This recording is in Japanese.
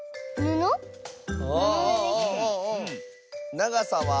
ながさは？